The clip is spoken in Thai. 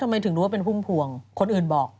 ทำไมถึงรู้ว่าเป็นพุ่มพวงคนอื่นบอก